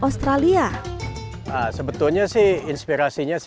australia sebetulnya sih inspirasinya